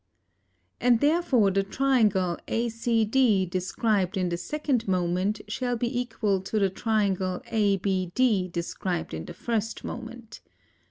And therefore the triangle ACD described in the second moment shall be equal to the triangle ABD described in the first moment.